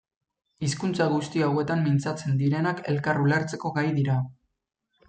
Hizkuntza guzti hauetan mintzatzen direnak elkar ulertzeko gai dira.